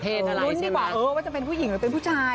ลุ้นดีกว่าว่าจะเป็นผู้หญิงหรือเป็นผู้ชาย